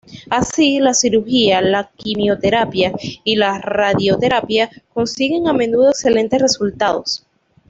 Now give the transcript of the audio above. Así, la cirugía, la quimioterapia y la radioterapia consiguen a menudo excelentes resultados.